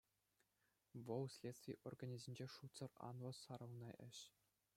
Вӑл — следстви органӗсенче шутсӑр анлӑ сарӑлнӑ ĕç.